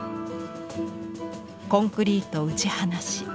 コンクリート打ち放し。